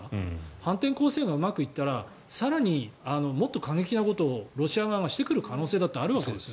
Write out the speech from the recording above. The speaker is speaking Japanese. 反転攻勢がうまくいったら更にもっと過激なことをロシア側がしてくる可能性だってあるわけです。